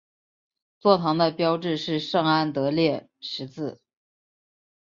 座堂的标志是圣安德烈十字。